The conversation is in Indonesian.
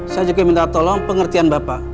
saya juga minta tolong pengertian bapak